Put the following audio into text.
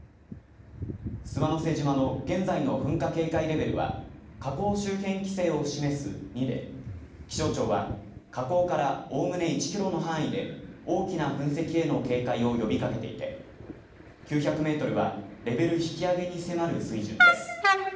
諏訪之瀬島の現在の噴火警戒レベルは火口周辺規制を示す２で気象庁は火口からおおむね１キロの範囲で大きな噴石への警戒を呼びかけていて９００メートルはレベル引き上げに迫る水準です。